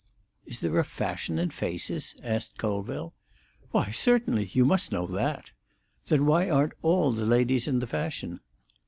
"Is there a fashion in faces?" asked Colville. "Why, certainly. You must know that." "Then why aren't all the ladies in the fashion?"